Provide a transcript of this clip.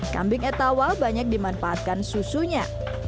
kambing etawa banyak dimanfaatkan susunya